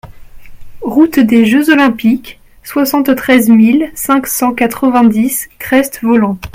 Route des Jeux Olympiques, soixante-treize mille cinq cent quatre-vingt-dix Crest-Voland